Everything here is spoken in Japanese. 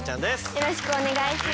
よろしくお願いします。